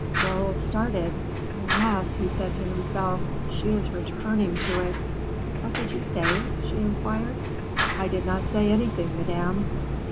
Raoul started. "Alas!" he said to himself, "she is returning to it." "What did you say?" she inquired. "I did not say anything Madame."